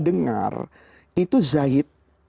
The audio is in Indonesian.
dengar itu zaid